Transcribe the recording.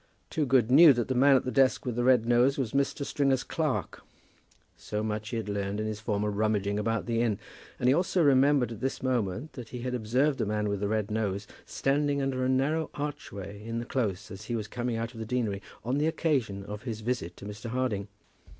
Toogood knew that the man at the desk with the red nose was Mr. Stringer's clerk. So much he had learned in his former rummaging about the inn. And he also remembered at this moment that he had observed the man with the red nose standing under a narrow archway in the close as he was coming out of the deanery, on the occasion of his visit to Mr. Harding.